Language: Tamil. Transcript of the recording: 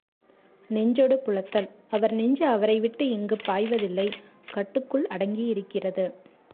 நெஞ்சொடு புலத்தல் அவர் நெஞ்சு அவரைவிட்டு இங்குப் பாய்வ தில்லை கட்டுக்குள் அடங்கி இருக்கிறது.